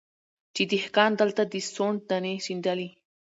چي دهقان دلته د سونډ دانې شیندلې